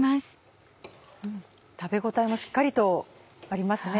食べ応えもしっかりとありますね。